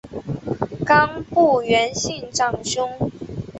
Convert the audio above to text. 冈部元信长兄。